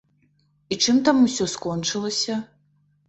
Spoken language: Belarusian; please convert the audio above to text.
І чым там усё скончылася?